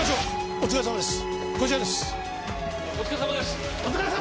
お疲れさまです。